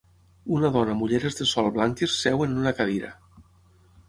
Una dona amb ulleres de sol blanques seu en una cadira.